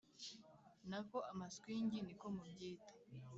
nako amaswingi ni ko mubyita.